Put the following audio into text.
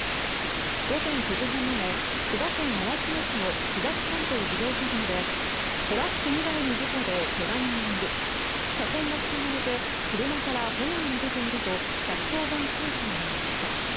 午前９時半前、千葉県習志野市の東関東自動車道でトラック２台の事故でけが人がいる車線が塞がれて車から炎が出ていると１１０番通報がありました。